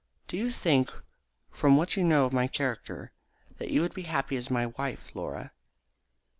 Do you think from what you know of my character that you could be happy as my wife, Laura?"